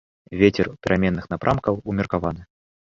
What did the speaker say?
Вецер пераменных напрамкаў, умеркаваны.